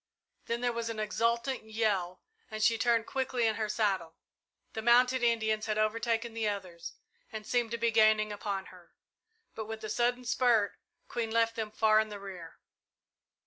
Then there was an exultant yell and she turned quickly in her saddle. The mounted Indians had overtaken the others and seemed to be gaining upon her, but with a sudden spurt, Queen left them far in the rear.